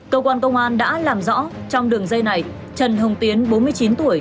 cơ quan công an đã làm rõ trong đường dây này trần hồng tiến bốn mươi chín tuổi